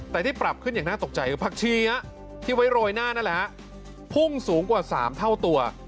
แต่ที่ปรับขึ้นอย่างน่าตกใจคือผักชีที่ไว้โรยหน้านั่นแหละฮะพุ่งสูงกว่า๓เท่าตัว